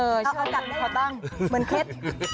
เขาจัดไม่พอตั้งเหมือนเคล็ด